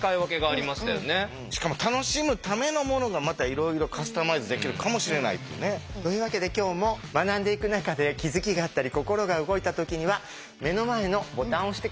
しかも楽しむためのものがまたいろいろカスタマイズできるかもしれないっていうね。というわけで今日も学んでいく中で押すとハートが光ります。